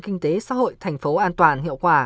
kinh tế xã hội thành phố an toàn hiệu quả